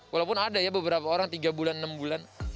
walaupun ada ya beberapa orang tiga bulan enam bulan